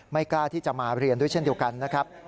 กล้าที่จะมาเรียนด้วยเช่นเดียวกันนะครับ